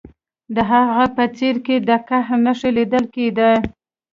د هغه په څیره کې د قهر نښې لیدل کیدې